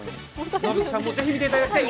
妻夫木さんもぜひ見ていただきたい。